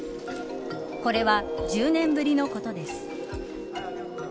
これは１０年ぶりのことです。